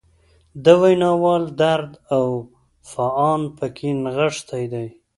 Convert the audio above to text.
د ویناوال درد او فعان پکې نغښتی دی.